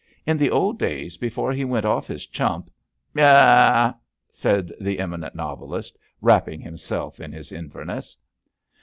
In the old days, before he went off his chump "Yah h h! " said the eminent novelist, wrap ping himself in his Inverness.